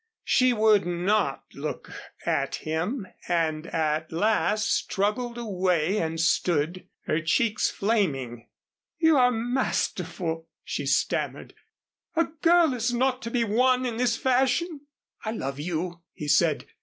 She would not look at him and at last struggled away and stood, her cheeks flaming. "You are masterful!" she stammered. "A girl is not to be won in this fashion." "I love you," he said.